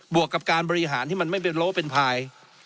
วกกับการบริหารที่มันไม่เป็นโลเป็นพาย